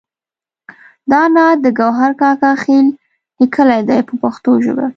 دا نعت د ګوهر کاکا خیل لیکلی دی په پښتو ژبه.